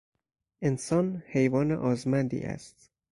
انسان حیوان آزمندی است.